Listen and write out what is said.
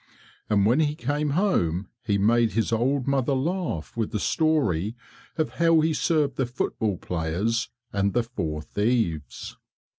And when he came home he made his old mother laugh with the story of how he served the football players and the four thieves.